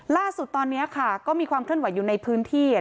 ล่าสุดตอนนี้ก็มีความเคลื่อนไหวอยู่ในพื้นที่